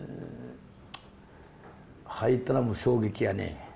入ったらもう衝撃やね。